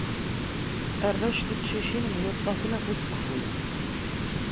Arrac tiqcicin, myuṭṭafen afus deg ufus.